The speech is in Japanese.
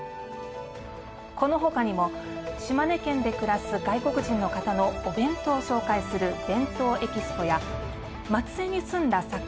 この他にも島根県で暮らす外国人の方のお弁当を紹介する「ＢＥＮＴＯＥＸＰＯ」や松江に住んだ作家